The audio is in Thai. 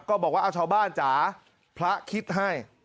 บอกว่าชาวบ้านจ๋าพระคิดให้